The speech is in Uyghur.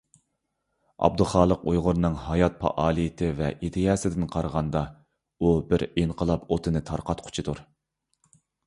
ئابدۇخالىق ئۇيغۇرنىڭ ھايات پائالىيىتى ۋە ئىدىيەسىدىن قارىغاندا، ئۇ بىر ئىنقىلاب ئوتىنى تارقاتقۇچىدۇر.